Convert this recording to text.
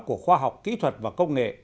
của khoa học kỹ thuật và công nghệ